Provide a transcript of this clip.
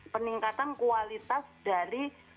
peningkatan kualitas dan